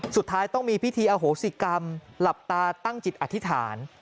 สุดท้ายต้องมีพิธีอโหสิกรรมหลับตาตั้งจิตอธิษฐาน